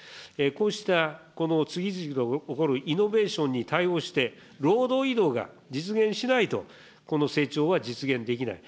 こうした、この次々と起こるイノベーションに対応して、労働移動が実現しないと、この成長は実現できない。